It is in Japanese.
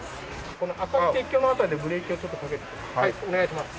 この赤い鉄橋の辺りでブレーキをちょっとかけてはいお願いします。